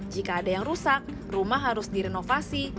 jika ada yang rusak rumah harus direnovasi